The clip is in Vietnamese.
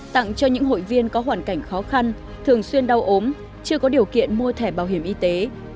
tặng cho những hội viên có hoàn cảnh khó khăn thường xuyên đau ốm chưa có điều kiện mua thẻ bảo hiểm y tế